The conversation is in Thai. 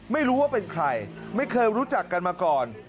ไม่รู้ว่าเป็นใครไม่เคยรู้จักกันมาก่อน